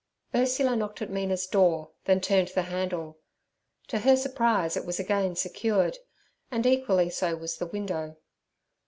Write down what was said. Ursula knocked at Mina's door, then turned the handle: to her surprise it was again secured, and equally so was the window.